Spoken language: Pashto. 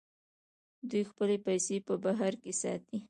دوی خپلې پیسې په بهر کې ساتي.